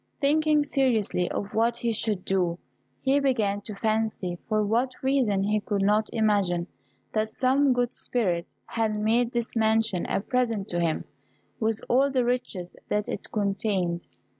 Thinking seriously of what he should do, he began to fancy, for what reason he could not imagine, that some good spirit had made this mansion a present to him, with all the riches that it contained.